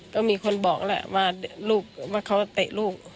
ก็มีคนบอกแล้วว่าเขาเตะลูก